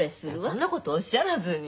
そんなことおっしゃらずに。